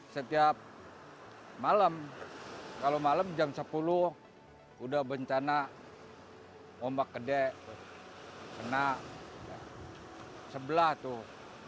setiap malam kalau malam jam sepuluh udah bencana ombak gede kena sebelah tuh